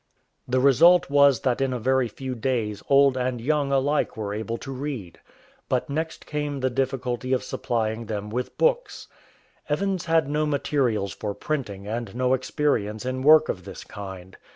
The result was that in a very few days old and young alike were able to read. But next came the difficulty of supplying them with books. Evans had no materials for printing and no experience in work of this kind.